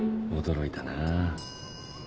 驚いたなぁ。